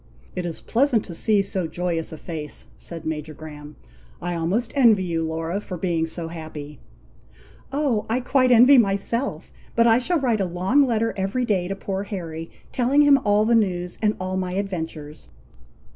"It is pleasant to see so joyous a face," said Major Graham. "I almost envy you, Laura, for being so happy." "Oh! I quite envy myself! but I shall write a long letter every day to poor Harry, telling him all the news, and all my adventures."